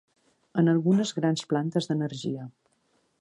En algunes grans plantes d'energia.